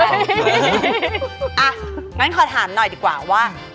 อะเราเองขอถามหน่อยจะก่อนว่า